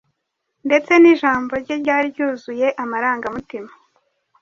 ndetse n’ijambo rye ryari ryuzuye amarangamutima